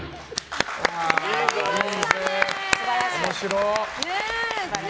面白い。